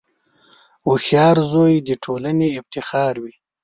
• هوښیار زوی د ټولنې افتخار وي.